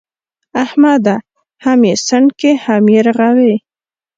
احمده! هم يې سڼکې او هم يې رغوې.